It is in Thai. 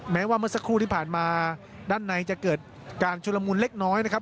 แม้ว่าเมื่อสักครู่ที่ผ่านมาด้านในจะเกิดการชุลมุนเล็กน้อยนะครับ